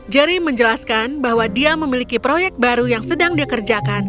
jerry menjelaskan bahwa dia memiliki proyek baru yang sedang dikerjakan